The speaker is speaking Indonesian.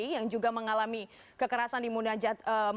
yang juga mengalami kekerasan di munajat malam dua ratus dua belas kemudian